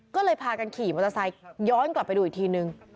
ก็เลยพากันขี่มอเตอร์ไซค์ย้อนกลับไปดูอีกทีนึง